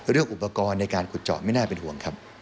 เรื่องอุปกรณ์ในการขุดเจาะไม่น่าเป็นห่วงครับ